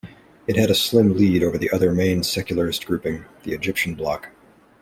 It had a slim lead over the other main secularist grouping, the Egyptian Bloc.